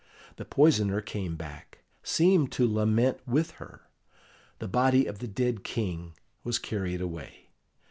The poisoner came back, seemed to lament with her; the body of the dead King was carried away.